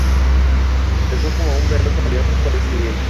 Empezó como un veloz avión correo civil.